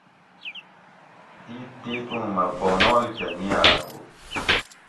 دیت دیت اُوں مہ بونول کہ نیاۤر ہُو